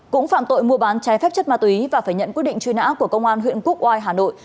cũng phạm tội mua bán trái phép chất ma túy và phải nhận quyết định truy nã của công an huyện quốc oai hà nội